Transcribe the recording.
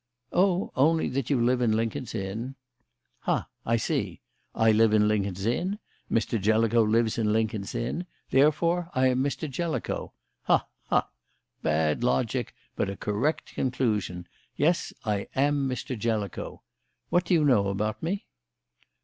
"Oh, only that you live in Lincoln's Inn." "Ha! I see. I live in Lincoln's Inn; Mr. Jellicoe lives in Lincoln's Inn; therefore I am Mr. Jellicoe. Ha! ha! Bad logic, but a correct conclusion. Yes, I am Mr. Jellicoe. What do you know about me?"